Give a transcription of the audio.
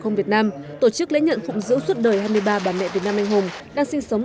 không việt nam tổ chức lễ nhận phụng dưỡng suốt đời hai mươi ba bà mẹ việt nam anh hùng đang sinh sống